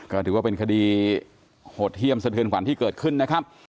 ก็ถือว่าเป็นคดีโหดเยี่ยมสะเทือนขวัญที่เกิดขึ้นนะครับ